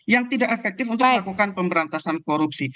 yang tidak efektif untuk melakukan pemberantasan korupsi